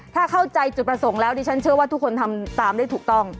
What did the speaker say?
ถ้าเข้าใจจุดประสงค์แล้วดิฉันเชื่อว่าทุกคนทำตามได้ถูกต้อง